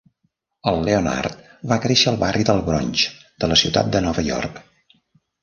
El Leonard va créixer al barri del Bronx de la ciutat de Nova York.